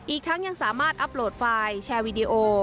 อีกทั้งยังสามารถอัพโหลดไฟล์แชร์วีดีโอ